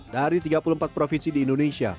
dari tiga puluh empat provinsi di indonesia